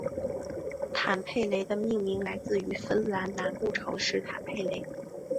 坦佩雷的命名来自于芬兰南部城市坦佩雷。